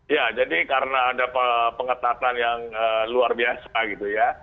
ya jadi karena ada pengetatan yang luar biasa gitu ya